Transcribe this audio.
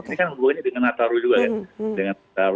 ini kan hubungannya dengan nataru juga ya